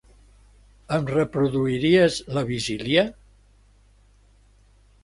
Em reproduiries "La vigília"?